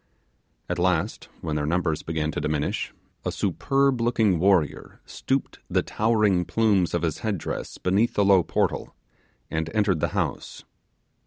At last, when their numbers began to diminish, a superb looking warrior stooped the towering plumes of his head dress beneath the low portal, and entered the house.